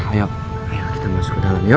ayo kita masuk ke dalam ya